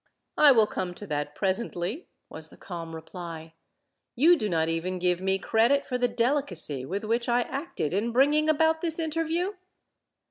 "I will come to that presently," was the calm reply. "You do not even give me credit for the delicacy with which I acted in bringing about this interview?"